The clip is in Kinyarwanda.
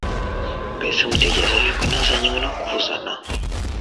mbese mutekereza yuko nazanywe no kuzana